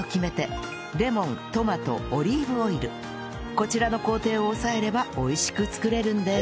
こちらの工程を押さえれば美味しく作れるんです